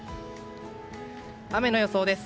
雨の予想です。